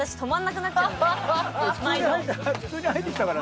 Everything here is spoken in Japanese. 普通に入ってきたから。